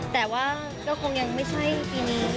แต่ว่าก็คงยังไม่ใช่ปีนี้